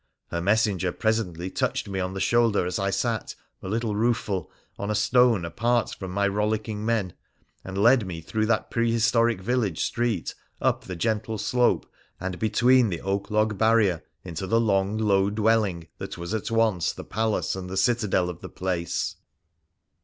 Her messenger presently touched me on the shoulder as I sat, a little rueful, on a stone apart from my rollicking men, and led me through that prehistoric village street up the gentle slope and between the oak log barrier into the long, low dwelling that was at once the palace and the citadel of the place.